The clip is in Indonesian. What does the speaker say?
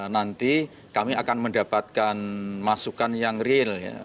nanti kami akan mendapatkan masukan yang real